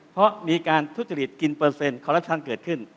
เพราะมีการทุจิฤทธิ์กินเปอร์เซ็นต์ขอรับทรัพย์ทางเกิดขึ้น